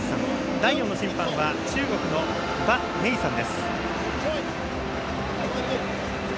第４の審判は中国の馬寧さんです。